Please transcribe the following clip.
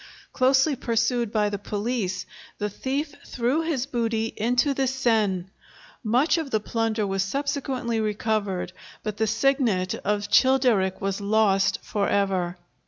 Closely pursued by the police, the thief threw his booty into the Seine; much of the plunder was subsequently recovered, but the signet of Childeric was lost for ever.